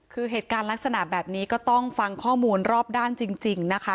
คือเหตุการณ์ลักษณะแบบนี้ก็ต้องฟังข้อมูลรอบด้านจริงนะคะ